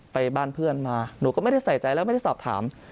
ไปบ้านเพื่อนมาหนูก็ไม่ได้ใส่ใจแล้วไม่ได้สอบถาม